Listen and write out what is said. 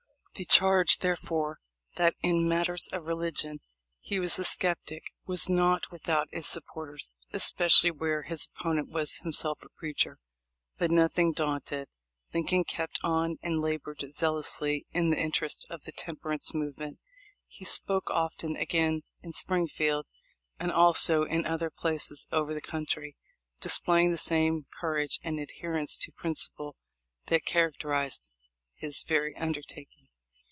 The charge, therefore, that in matters of religion he was a skeptic was not without its supporters, especially where his opponent was himself a preacher. But, nothing daunted, Lincoln kept on and labored zealously in the interest of the temperance move ment. He spoke often again in Springfield, and also in other places over the country, displaying the same courage and adherence to principle that characterized his every undertaking.